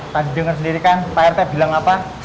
tadi denger sendiri kan rt bilang apa